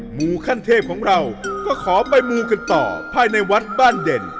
หมู่ขั้นเทพของเราก็ขอไปมูกันต่อภายในวัดบ้านเด่น